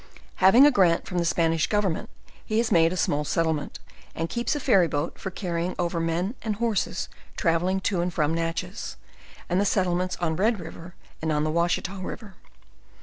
Having' a grant from the Spanish government, he has made a small settlement, and keeps a ferry boat for carrying over men and horses travelling to and from Natchez, and the set tlements on Red river and on the Washita river.